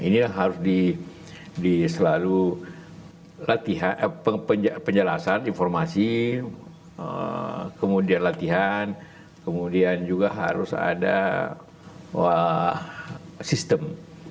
ini yang harus selalu penjelasan informasi kemudian latihan kemudian juga harus ada sistem